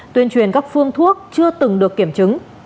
tuyên truyền các phương thuốc chưa từng được kiểm chứng